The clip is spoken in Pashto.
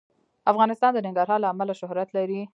افغانستان د ننګرهار له امله شهرت لري.